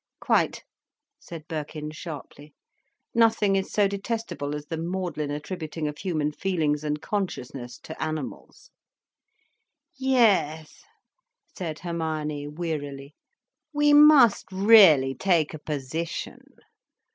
"Quite," said Birkin sharply. "Nothing is so detestable as the maudlin attributing of human feelings and consciousness to animals." "Yes," said Hermione, wearily, "we must really take a position.